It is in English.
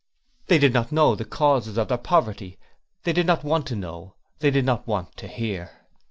They did not know the causes of their poverty, they did not want to know, they did not want to hear.